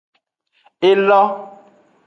Elo.